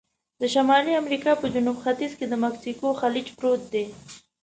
د شمالي امریکا په جنوب ختیځ کې د مکسیکو خلیج پروت دی.